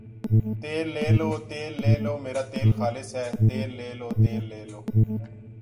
تیل لے لو ، تیل لے لو میرا تیل خالص ھے تیل لے لو تیل لے لو